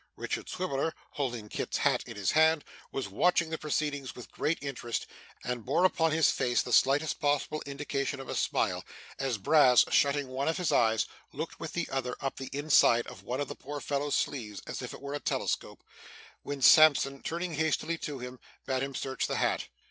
Richard Swiveller, holding Kit's hat in his hand, was watching the proceedings with great interest, and bore upon his face the slightest possible indication of a smile, as Brass, shutting one of his eyes, looked with the other up the inside of one of the poor fellow's sleeves as if it were a telescope when Sampson turning hastily to him, bade him search the hat.